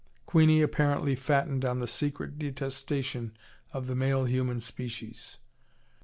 Queenie apparently fattened on the secret detestation of the male human species.